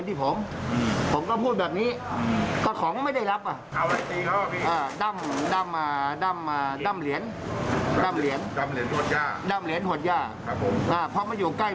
ถ้าผมฟันก็ตายไปแล้ว